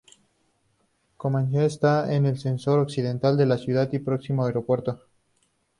Comayagüela está en el sector occidental de la ciudad y próxima al aeropuerto.